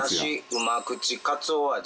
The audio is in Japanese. うまくちかつお味